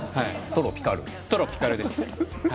トロピカルです。